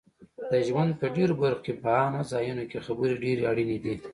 د ژوند په ډېرو برخو کې په عامه ځایونو کې خبرې ډېرې اړینې دي